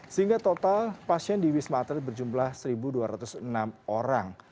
sehingga total pasien di wisma atlet berjumlah satu dua ratus enam orang